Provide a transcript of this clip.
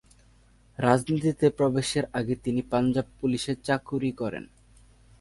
রাজনীতিতে প্রবেশের আগে তিনি পাঞ্জাব পুলিশে চাকুরি করেন।